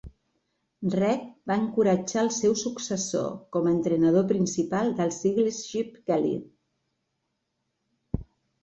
Reid va encoratjar el seu successor com a entrenador principal dels Eagles, Chip Kelly.